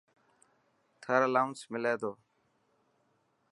ٿر الاونس ملي تو.